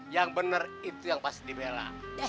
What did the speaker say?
yang benar itu yang pasti dibela